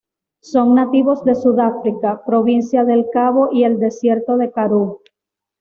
Son nativos de Sudáfrica: Provincia del Cabo y el desierto de Karoo.